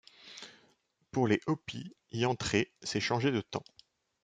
Pour les Hopis, y entrer, c'est changer de temps.